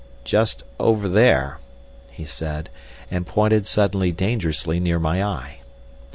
"Just over there," he said, and pointed suddenly dangerously near my eye.